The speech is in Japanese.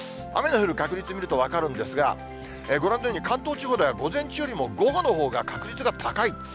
雨の降る確率見ると、分かるんですが、ご覧のように、関東地方では午前中よりも午後のほうが確率が高い。